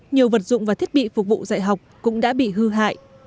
nhiều vật dụng và thiết bị phục vụ dạy học cũng đã bị hư hại